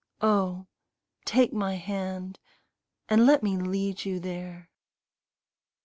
Oh, take my hand and let me lead you there.